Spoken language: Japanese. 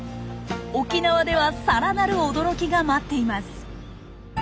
沖縄では更なる驚きが待っています。